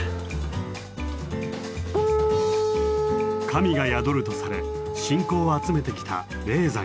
神が宿るとされ信仰を集めてきた霊山。